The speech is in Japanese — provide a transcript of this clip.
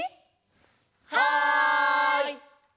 はい！